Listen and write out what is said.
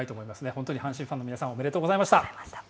本当に阪神ファンの皆さんおめでとうございました。